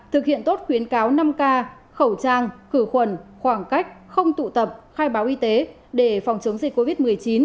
thực hiện tốt khuyến cáo năm k khẩu trang khử khuẩn khoảng cách không tụ tập khai báo y tế để phòng chống dịch covid một mươi chín